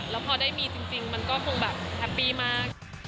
แล้วพอได้มีจริงมันก็คงน่ารักมาก